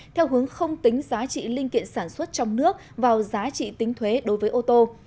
theo hướng không tính giá trị linh kiện sản xuất trong nước vào giá trị tính thuế đối với ô tô